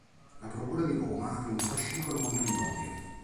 La Procura di Roma aprì un fascicolo contro ignoti.